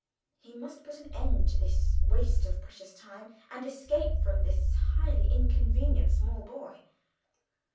He must put an end to this waste of precious time, and escape from this highly inconvenient small boy.